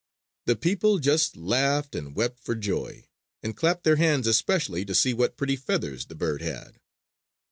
The people just laughed and wept for joy, and clapped their hands especially to see what pretty feathers the bird had.